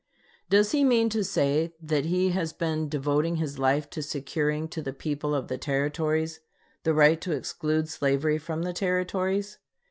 Does he mean to say that he has been devoting his life to securing to the people of the Territories the right to exclude slavery from the Territories?